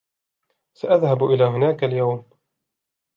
سأذهب إلى هناك اليوم.